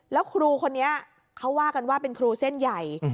แล้วครูคนนี้เขาว่ากันว่าเป็นครูเส้นใหญ่